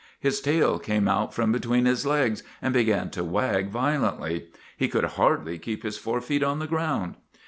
His tail came out from between his legs and began to wag violently; he could hardly keep his fore feet on the ground.